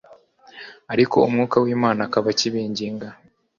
ariko Umwuka wImana akaba akibinginga